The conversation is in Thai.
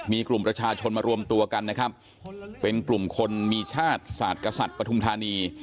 มีกลุ่มประชาชนมารวมตัวกันนะครับเป็นกลุ่มคนมีชาติศาสตร์กษัตริย์ปฐุมธานี